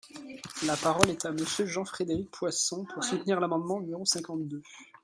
La parole est à Monsieur Jean-Frédéric Poisson, pour soutenir l’amendement numéro cinquante-deux.